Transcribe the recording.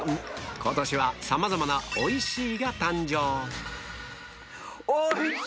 今年はさまざまな「おいＣ」が誕生おいＣ！